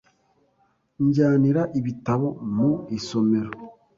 Njyanira ibitabo mu isomero